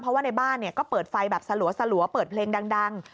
เพราะว่าในบ้านก็เปิดไฟแบบสลัวเปิดเพลงดัง